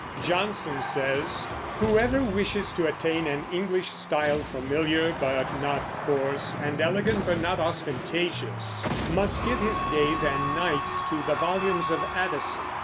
Johnson says, "Whoever wishes to attain an English style, familiar but not coarse, and elegant but not ostentatious, must give his days and nights to the volumes of Addison."